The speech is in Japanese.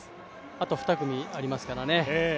あと２組ありますからね。